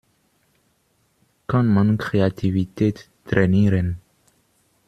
Kann man Kreativität trainieren?